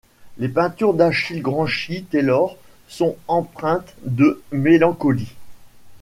Les peintures d'Achille Granchi-Taylor sont empreintes de mélancolie.